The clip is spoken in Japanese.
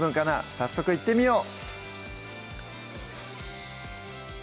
早速いってみよう